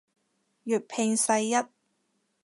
粵拼世一